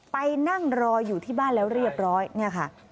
ไปนั่งรออยู่ที่บ้านแล้วเรียบร้อยเนี่ยค่ะ